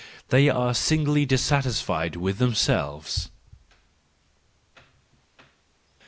They are signally dis¬ satisfied with themselves.